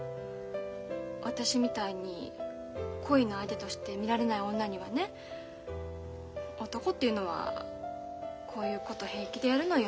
私みたいに恋の相手として見られない女にはね男っていうのはこういうこと平気でやるのよ。